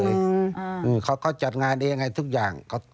อืมเขาก็จัดงานเองให้ทุกอย่าง